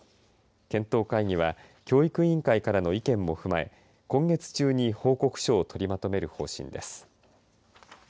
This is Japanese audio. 検討会議は教育委員会からの意見も踏まえ今月中に報告書を取りまとめる方針です。